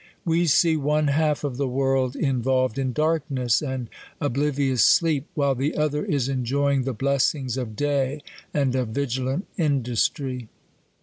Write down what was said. We see one half of the world involved in darkness, and oblivious sleep ; while the other is enjoying the blessings of day, and of visiilant industry.